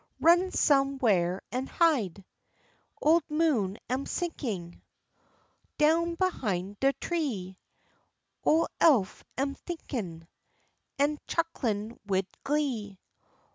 Run some whar an' hide! Ole moon am sinkin' Down behin' de tree. Ole Eph am thinkin' An' chuckelin' wid glee.